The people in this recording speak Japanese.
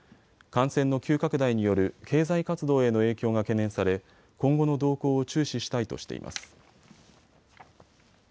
感染の急拡大による経済活動への影響が懸念され今後の動向を注視したいとしています。